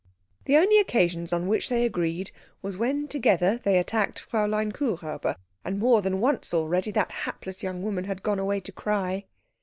The only occasions on which they agreed were when together they attacked Fräulein Kuhräuber; and more than once already that hapless young woman had gone away to cry.